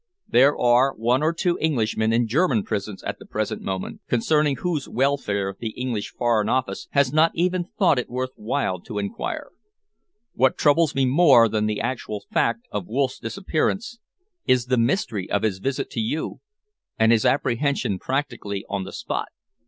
There are one or two Englishmen in German prisons at the present moment, concerning whose welfare the English Foreign Office has not even thought it worth while to enquire. What troubles me more than the actual fact of Wolff's disappearance is the mystery of his visit to you and his apprehension practically on the spot."